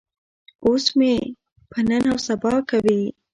اوس مې په نن او سبا کوي.